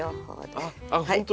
あっ本当だ。